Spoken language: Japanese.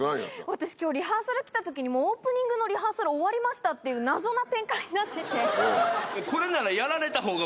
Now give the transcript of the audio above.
私今日リハーサル来た時にもうオープニングのリハーサル終わりましたっていう謎な展開になってて。